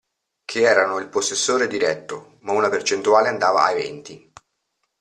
Che erano il possessore diretto, ma una percentuale andava ai venti.